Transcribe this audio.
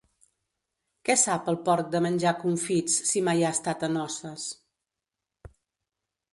Què sap el porc de menjar confits, si mai ha estat a noces?